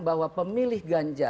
bahwa pemilih ganjar